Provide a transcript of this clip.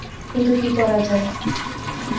কিন্তু কী করা যায়।